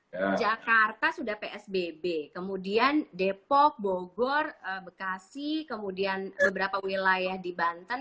karena jakarta sudah psbb kemudian depok bogor bekasi kemudian beberapa wilayah di banten